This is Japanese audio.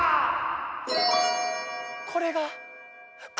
これが恋⁉